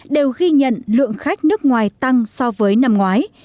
đều ghi nhận lượng khách nước ngoài tăng so với năm ngoái